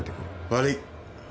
悪い。